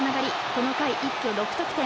この回、一挙６得点。